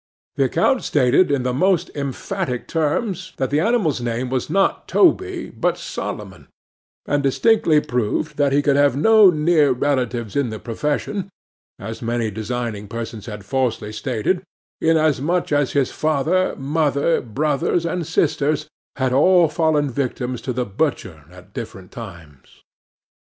The account stated in the most emphatic terms that the animal's name was not Toby, but Solomon; and distinctly proved that he could have no near relatives in the profession, as many designing persons had falsely stated, inasmuch as his father, mother, brothers and sisters, had all fallen victims to the butcher at different times.